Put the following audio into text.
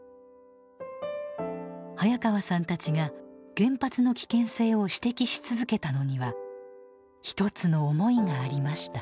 早川さんたちが原発の危険性を指摘し続けたのにはひとつの思いがありました。